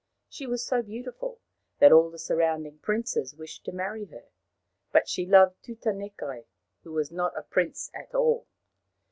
She was so beautiful that all the surrounding princes wished to marry her ; but she loved Tutanekai, who was not a prince at all.